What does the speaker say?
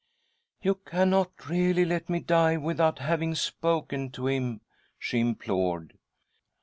" You cannot really let me die without having spoken to him ?" she implored.